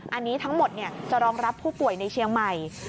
อันนี้ทั้งหมดจะรองรับผู้ป่วยในเชียงใหม่